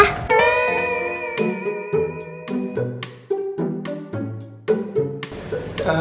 saya mau tidur sama mama